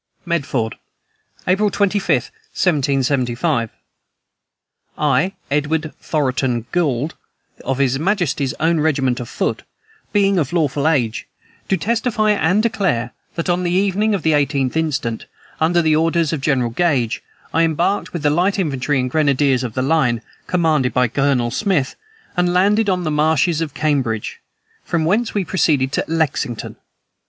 "MEDFORD, April 25, 1775. "I, Edward Thoroton Gould, of his majesty's own regiment of foot, being of lawful age, do testify and declare, that, on the evening of the 18th instant, under the orders of General Gage, I embarked with the light infantry and grenadiers of the line, commanded by Colonel Smith, and landed on the marshes of Cambridge, from whence we proceeded to Lexington.